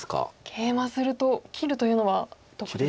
ケイマすると切るというのはどこでしょうか。